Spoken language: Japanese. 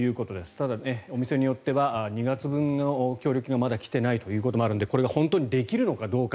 ただ、お店によっては２月分の協力金がまだ来ていないということもあるのでこれが本当にできるのかどうか。